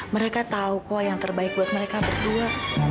mereka tahu kok yang terbaik buat mereka berdua